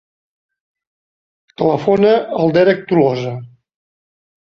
Telefona al Derek Tolosa.